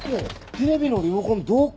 テレビのリモコンどこ？